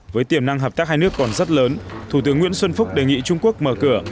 với tiềm năng hợp tác hai nước còn rất lớn thủ tướng nguyễn xuân phúc đề nghị trung quốc mở cửa